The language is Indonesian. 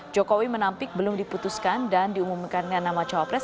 jokowi menampik belum diputuskan dan diumumkan dengan nama cawapres